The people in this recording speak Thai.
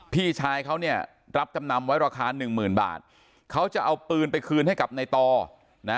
พี่ชายเขาเนี่ยรับจำนำไว้ราคาหนึ่งหมื่นบาทเขาจะเอาปืนไปคืนให้กับในต่อนะ